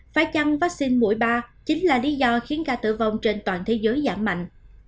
phải chăng vaccine mũi ba chính là lý do khiến ca tử vong trên toàn thế giới giảm mạnh